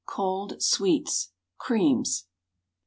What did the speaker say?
COLD SWEETS. CREAMS.